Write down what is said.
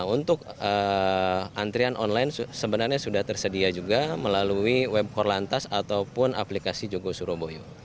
untuk antrian online sebenarnya sudah tersedia juga melalui web korlantas ataupun aplikasi jogo suroboyo